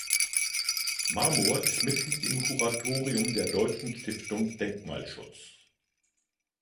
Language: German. Marmor ist Mitglied im Kuratorium der Deutschen Stiftung Denkmalschutz.